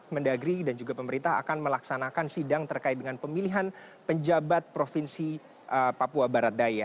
mendagri dan juga pemerintah akan melaksanakan sidang terkait dengan pemilihan penjabat provinsi papua barat daya